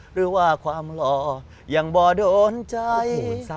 หรือว่าความหล่อยังบ่โดนใจ